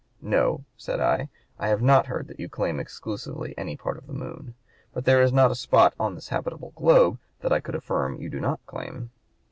'No,' said I, 'I have not heard that you claim exclusively any part of the moon; but there is not a spot on this habitable globe that I could affirm you do not claim!'"